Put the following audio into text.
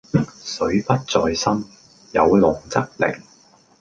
水不在深，有龍則靈